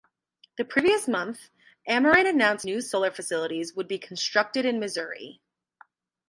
The previous month, Ameren announced new solar facilities would be constructed in Missouri.